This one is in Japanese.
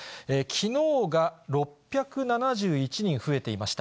きのうが６７１人増えていました。